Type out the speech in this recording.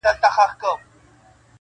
چي پر سمه لاره ځم راته قهرېږي٫